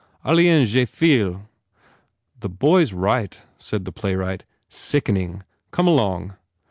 Aliens; je file!" The boy s right," said the playwright, "Sicken ing. Come along."